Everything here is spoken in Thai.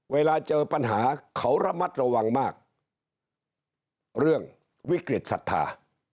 เวลาเจอปัญหาเขาระมัดระวังมากเรื่องวิกฤตศรัทธา